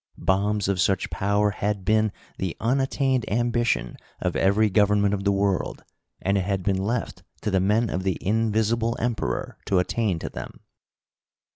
Bombs of such power had been the unattained ambition of every government of the world and it had been left to the men of the Invisible Emperor to attain to them.